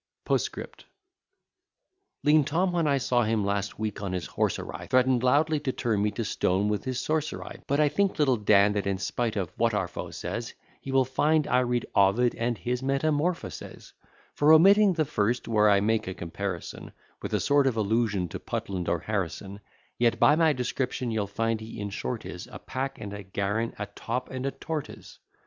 POSTSCRIPT Lean Tom, when I saw him last week on his horse awry, Threaten'd loudly to turn me to stone with his sorcery, But, I think, little Dan, that in spite of what our foe says, He will find I read Ovid and his Metamorphoses, For omitting the first (where I make a comparison, With a sort of allusion to Putland or Harrison) Yet, by my description, you'll find he in short is A pack and a garran, a top and a tortoise.